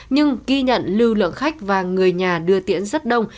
nhưng ghi nhận lưu lượng khách và người nhà đưa tiễn rất đông